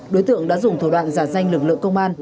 đối tượng đã dùng thủ đoạn giả danh lực lượng công an